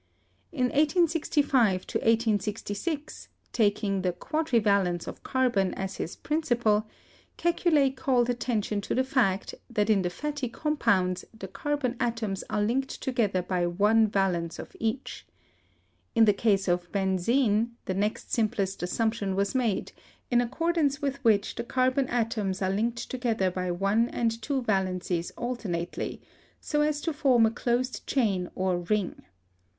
In 1865 1866, taking the quadrivalence of carbon as his principle, Kekule called attention to the fact that in the fatty compounds the carbon atoms are linked together by one valence of each. In the case of benzene, the next simplest assumption was made, in accordance with which the carbon atoms are linked together by one and two valencies alternately, so as to form a closed chain or ring.